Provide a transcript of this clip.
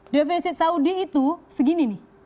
defisit saudi itu segini nih